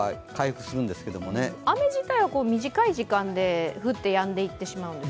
雨は短い間で降ってやんでいってしまうんですか？